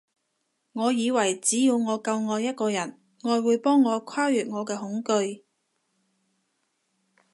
我以為只要我夠愛一個人，愛會幫我跨越我嘅恐懼